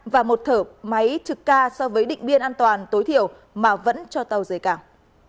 và một thợ máy trực ca so với định biên an toàn tối thiểu mà vẫn cho tàu dây càng